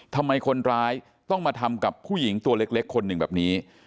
ทำไมคนร้ายต้องมาทำกับผู้หญิงตัวเล็กคนหนึ่งแบบนี้